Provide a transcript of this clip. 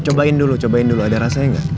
cobain dulu cobain dulu ada rasanya nggak